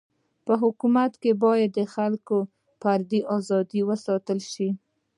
په حکومت کي باید د خلکو فردي ازادي و ساتل سي.